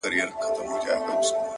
o کمزوری سوئ يمه. څه رنگه دي ياده کړمه.